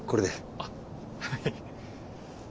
あっはい。